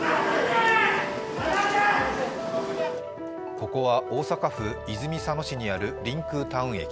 ここは大阪府泉佐野市にある、りんくうタウン駅。